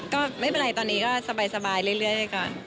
ก็ไม่เป็นไรตอนนี้ก็สบายเรื่อยก่อน